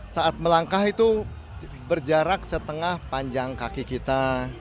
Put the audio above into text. saat melangkah itu berjarak setengah panjang kaki kita